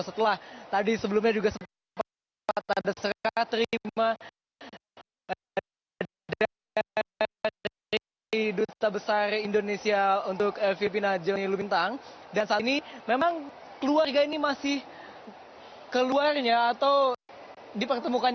setelah tadi sebelumnya juga sempat ada serah terima dari duta besar indonesia untuk filipina jelani lumintang